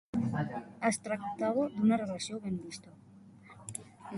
Es tractava d'una relació ben vista?